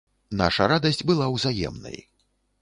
Наша радасць была ўзаемнай.